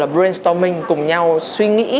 brainstorming cùng nhau suy nghĩ